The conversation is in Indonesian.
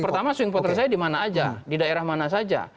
pertama swing voter saya dimana saja di daerah mana saja